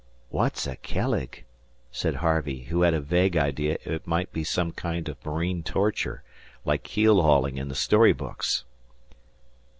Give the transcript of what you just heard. "What's a 'kelleg'?" said Harvey, who had a vague idea it might be some kind of marine torture, like keel hauling in the storybooks.